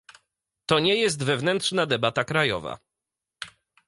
To nie jest wewnętrzna debata krajowa